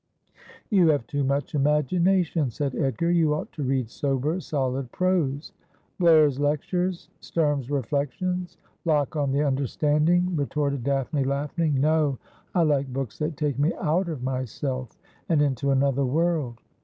' You have too much imagination,' said Edgar. ' You ought to read sober solid prose.' '" Blair's Lectures," " Sturm's Reflections," " Locke on the Understanding," ' retorted Daphne, laughing. 'No; I like books that take me out of myself and into another world.'